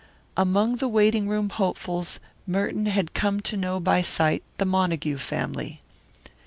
Among the waiting room hopefuls Merton had come to know by sight the Montague family.